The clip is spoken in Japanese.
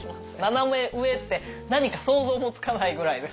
ナナメ上って何か想像もつかないぐらいです。